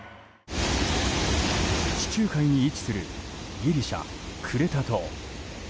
地中海に位置するギリシャ・クレタ島。